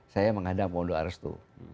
saya menghadap mondo arstu